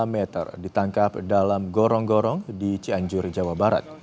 lima meter ditangkap dalam gorong gorong di cianjur jawa barat